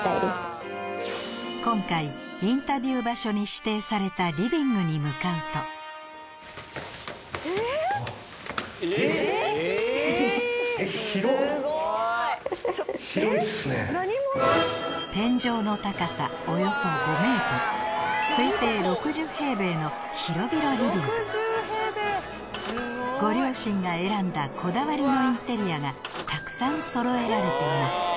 今回インタビュー場所に指定されたリビングに向かうと広々リビングご両親が選んだこだわりのインテリアがたくさんそろえられています